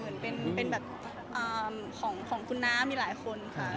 มีหลายอันที่เป็นดอยปูหมื่นเป็นแบบของคุณน้ำมีหลายคนค่ะ